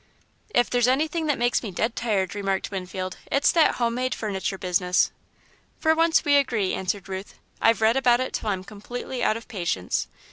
"If there's anything that makes me dead tired," remarked Winfield, "it's that homemade furniture business." "For once, we agree," answered Ruth. "I've read about it till I'm completely out of patience.